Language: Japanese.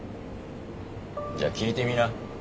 じゃあ聞いてみな。